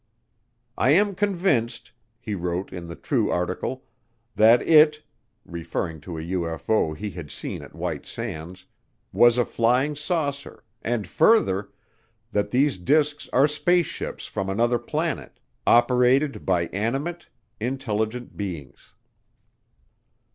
"I am convinced," he wrote in the True article, "that it," referring to a UFO he had seen at White Sands, "was a flying saucer, and further, that these disks are spaceships from another planet, operated by animate, intelligent beings."